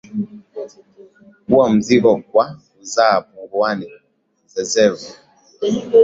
kuwa mzigo kwa kuzaa punguani (zezevu)